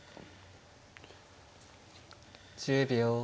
１０秒。